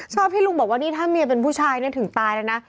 ที่ลุงบอกว่านี่ถ้าเมียเป็นผู้ชายเนี่ยถึงตายแล้วนะ